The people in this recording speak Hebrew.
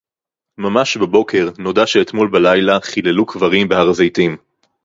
ממש בבוקר נודע שאתמול בלילה חיללו קברים בהר-הזיתים